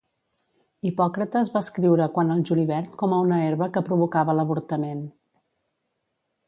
Hipòcrates va escriure quant al julivert com a una herba que provocava l'avortament.